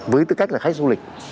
với tư cách là khách du lịch